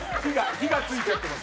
火が付いちゃってます。